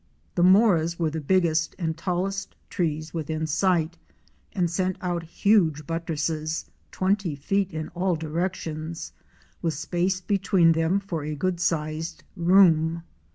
The moras were the biggest and tallest trees within sight, and sent out huge buttresses, twenty feet in all directions with space between them for a good sized room.